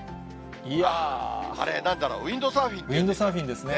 あれ、なんだろう、ウインドサーフィンですね。